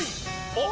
おっ！